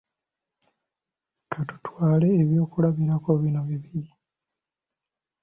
Ka tutwale eby'okulabirako bino bibiri.